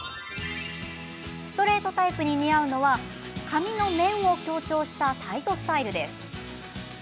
ストレートタイプに似合うのは髪の面を強調したタイトスタイルです。